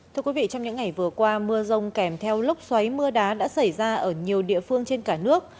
thưa quý vị trong những ngày vừa qua mưa rông kèm theo lốc xoáy mưa đá đã xảy ra ở nhiều địa phương trên cả nước